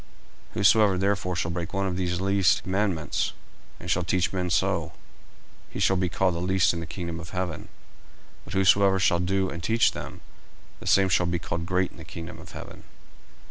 40:005:019 Whosoever therefore shall break one of these least commandments, and shall teach men so, he shall be called the least in the kingdom of heaven: but whosoever shall do and teach them, the same shall be called great in the kingdom of heaven.